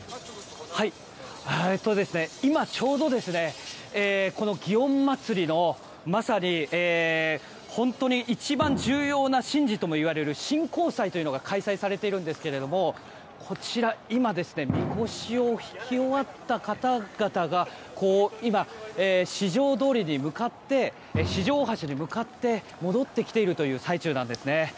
今、ちょうどこの祇園祭のまさに本当に一番重要な神事ともいわれる神幸祭というのが開催されているんですけどもこちら、今みこしをひき終わった方々が四条大橋に向かって戻ってきている最中なんですね。